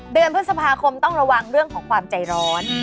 เดือนพฤษภาคมต้องระวังเรื่องของความใจร้อน